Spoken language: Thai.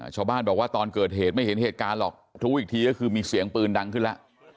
ชาวบ้านบอกว่าตอนเกิดเหตุไม่เห็นเหตุการณ์หรอกรู้อีกทีก็คือมีเสียงปืนดังขึ้นแล้ว